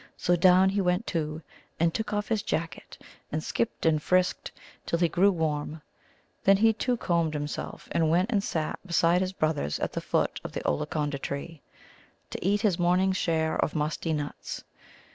So down he went, too, and took off his jacket, and skipped and frisked till he grew warm. Then he, too, combed himself, and went and sat down beside his brothers at the foot of the Ollaconda tree to eat his morning's share of musty nuts.